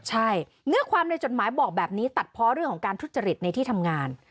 ใช่เนื้อความในจดหมายบอกแบบนี้ตัดเพราะเรื่องของการทุจริตในที่ทำงาน